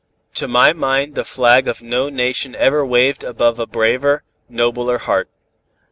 To my mind the flag of no nation ever waved above a braver, nobler heart."